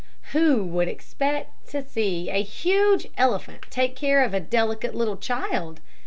Who would expect to see a huge elephant take care of a delicate little child?